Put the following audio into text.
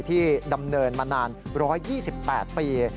ที่ดำเนินมานาน๑๒๘ปี